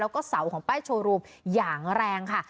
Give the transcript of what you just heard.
แล้วก็เสาของป้ายโชว์รูมอย่างแรงค่ะ